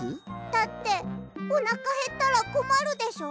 だっておなかへったらこまるでしょ？